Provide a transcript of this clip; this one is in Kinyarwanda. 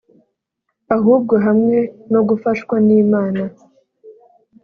Ahubwo hamwe no gufashwa n’Imana